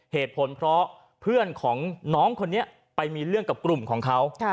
เหตุผลเพราะเพื่อนของน้องคนนี้ไปมีเรื่องกับกลุ่มของเขา